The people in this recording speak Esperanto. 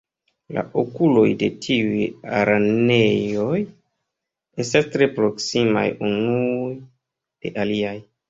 La okuloj de tiuj araneoj estas tre proksimaj unuj de aliaj.